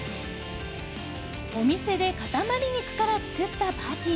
お店で塊肉から作ったパティ